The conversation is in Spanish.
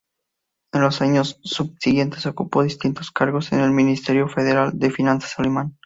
En los años subsiguientes ocupó distintos cargos en el Ministerio Federal de Finanzas alemán.